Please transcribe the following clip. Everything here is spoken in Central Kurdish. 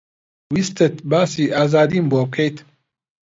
ویستت باسی ئازادیم بۆ بکەیت؟